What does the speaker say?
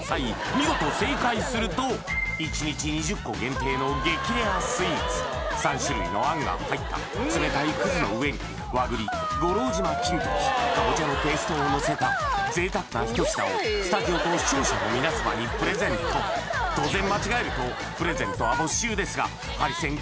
見事正解すると１日２０個限定の激レアスイーツ３種類のあんが入った冷たい葛の上に和栗五郎島金時カボチャのペーストをのせた贅沢なひと品を当然間違えるとプレゼントは没収ですがハリセン